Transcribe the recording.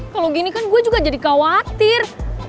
kalau gini kan gue juga jadi khawatir